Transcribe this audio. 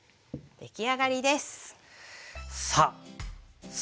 出来上がりです。